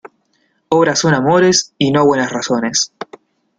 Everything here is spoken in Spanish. Obras son amores y no buenas razones.